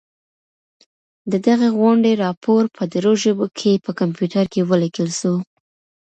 د دغي غونډې راپور په درو ژبو کي په کمپیوټر کي ولیکل سو.